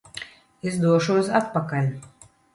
Es došos atpakaļ!